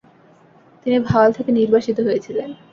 তিনি ভাওয়াল থেকে নির্বাসিত হয়েছিলেন।